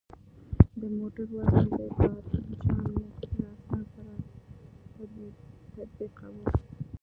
د موټر وزن د بارجامې له اسنادو سره تطبیقاوه.